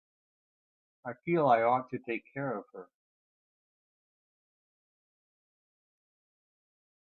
I feel I ought to take care of her.